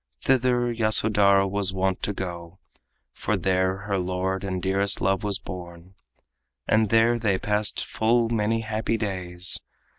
Thither Yasodhara was wont to go, For there her lord and dearest love was born, And there they passed full many happy days.